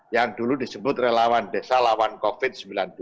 yang dulu disebut relawan desa lawan covid sembilan belas